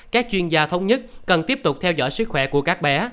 các chuyên gia thống nhất cần tiếp tục theo dõi sức khỏe của các bé